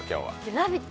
「ラヴィット！」